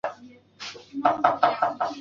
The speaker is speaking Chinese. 因事遭弹劾去世。